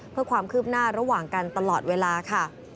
เพื่อความคืบหน้าระหว่างกันตลอดเวลาค่ะ